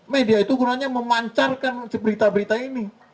media itu gunanya memancarkan berita berita ini